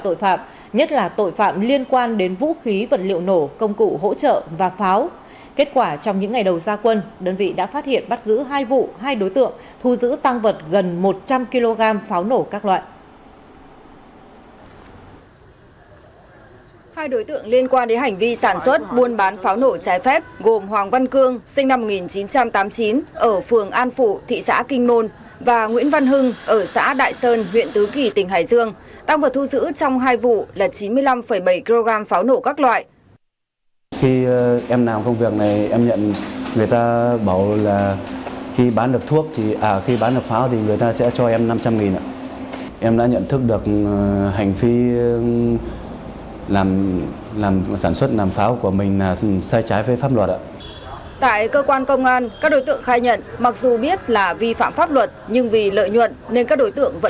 hai đối tượng liên quan đến hành vi sản xuất buôn bán pháo nổ trái phép gồm hoàng văn cương sinh năm một nghìn chín trăm tám mươi chín ở xã đại sơn huyện tứ kỳ tỉnh hải dương